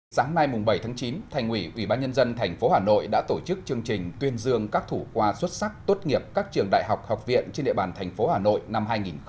sáng nay bảy tháng chín thành ủy ubnd tp hà nội đã tổ chức chương trình tuyên dương các thủ khoa xuất sắc tốt nghiệp các trường đại học học viện trên địa bàn thành phố hà nội năm hai nghìn hai mươi